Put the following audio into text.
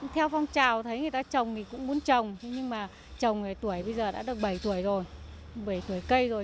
theo phong trào thấy người ta trồng thì cũng muốn trồng nhưng mà trồng tuổi bây giờ đã được bảy tuổi rồi bảy tuổi cây rồi